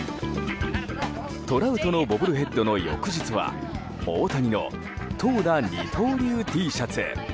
トラウトのボブルヘッドの翌日は大谷の投打二刀流Ｔシャツ。